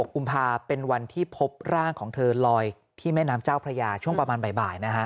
กุมภาเป็นวันที่พบร่างของเธอลอยที่แม่น้ำเจ้าพระยาช่วงประมาณบ่าย